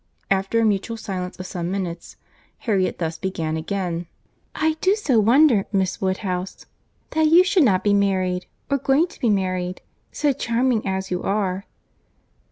After a mutual silence of some minutes, Harriet thus began again— "I do so wonder, Miss Woodhouse, that you should not be married, or going to be married! so charming as you are!"